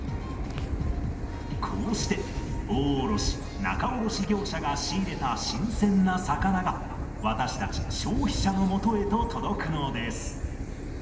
こうして大卸仲卸業者が仕入れた新鮮な魚が私たち消費者のもとへと届くのです。